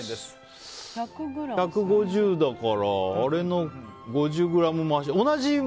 １５０ｇだからあれの５０ｇ増し。